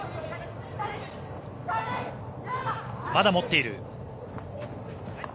まだ持っている。